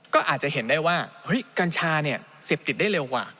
ก็อาจจะเห็นได้ว่าเฮ้ยกัญชาเนี่ยเสพติดได้เร็วกว่า